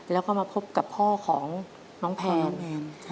แล้วก็มาพบกับพ่อของน้องแพน